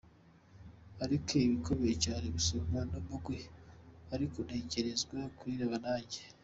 "Ariko igikomeye cane gusumba n'umugwi, ariko ntegerezwa kwiraba nanje.